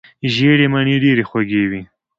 ژېړې مڼې ډېرې خوږې وي.